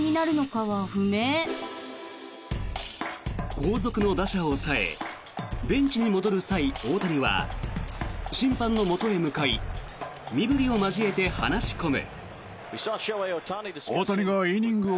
後続の打者を抑えベンチに戻る際、大谷は審判のもとへ向かい身ぶりを交えて話し込む。